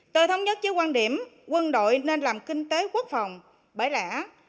tôi thống nhất với quan điểm quân đội nên làm kinh tế quốc phòng bởi lẽ